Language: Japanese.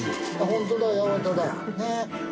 ホントだ八幡だ。